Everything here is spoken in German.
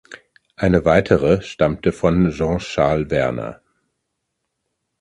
Eine weitere stammte von Jean Charles Werner.